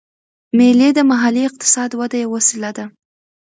مېلې د محلي اقتصاد وده یوه وسیله ده.